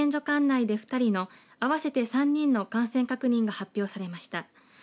管内で２人の合わせて３人の感染確認が発表されました。